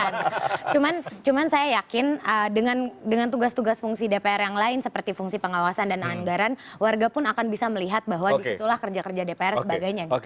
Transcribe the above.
cuma saya yakin dengan tugas tugas fungsi dpr yang lain seperti fungsi pengawasan dan anggaran warga pun akan bisa melihat bahwa disitulah kerja kerja dpr sebagainya gitu